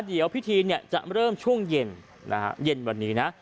เดี๋ยวพิธีจะเริ่มช่วงเย็นเย็นวันนี้นะ